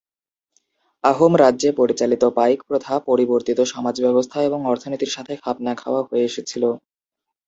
আহোম রাজ্যে প্রচলিত পাইক প্রথা পরিবর্তিত সমাজ ব্যবস্থা এবং অর্থনীতির সাথে খাপ না খাওয়া হয়ে এসেছিল।